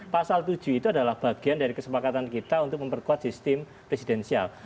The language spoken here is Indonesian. pasal tujuh itu adalah bagian dari kesepakatan kita untuk memperkuat sistem presidensial